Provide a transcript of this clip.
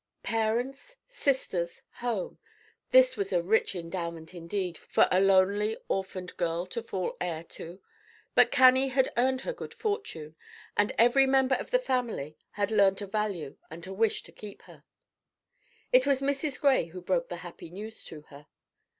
Parents, sisters, home, this was a rich endowment, indeed, for a lonely, orphaned girl to fall heir to. But Cannie had earned her good fortune, and every member of the family had learned to value and to wish to keep her. It was Mrs. Gray who broke the happy news to her.